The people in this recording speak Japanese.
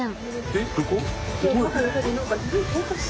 えっどこ！？